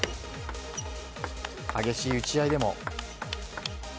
激しい打ち合いでも。